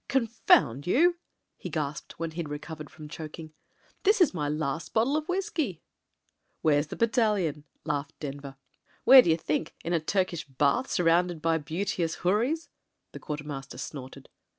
"Confound you," he gasped, when he'd recovered from choking. "This is my last bottle of whisky." "Where's the battalion?" laughed Denver. "Where d'you think ? In a Turkish bath surrounded by beauteous houris?" the quartermaster snorted.